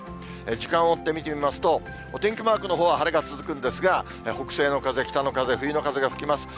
時間を追って見てみますと、お天気マークのほうは晴れが続くんですが、北西の風、北の風、冬の風が吹きます。